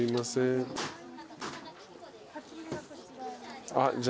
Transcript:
あっじゃあはい。